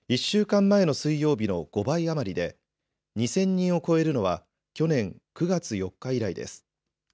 １週間前の水曜日の５倍余りで、２０００人を超えるのは去年９月４日以来です。